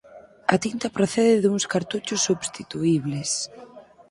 A tinta procede duns cartuchos substituíbles.